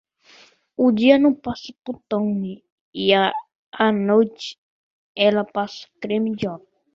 O dia não passa por Toni, e à noite ela passa cremes de óleo.